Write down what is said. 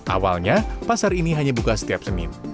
awalnya pasar ini hanya buka setiap senin